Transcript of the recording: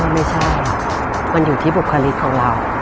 ไม่ใช่มันอยู่ที่บุคลิกของเรา